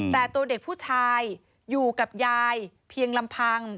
แต่ตัวเด็กผู้ชายอยู่กับยายเพียงลำพัง